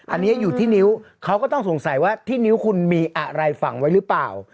อันนี้อยู่ที่นิ้วเขาก็ต้องสงสัยว่าที่นิ้วคุณมีอะไรฝังไว้หรือเปล่า